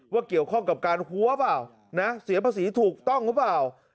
เกี่ยวข้องกับการหัวเปล่านะเสียภาษีถูกต้องหรือเปล่า